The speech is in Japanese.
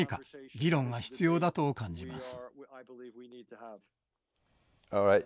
議論が必要だと感じます。